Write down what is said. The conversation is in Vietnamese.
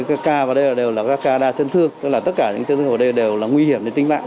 ca vào đây đều là ca đa chấn thương tức là tất cả những trường hợp ở đây đều là nguy hiểm đến tính mạng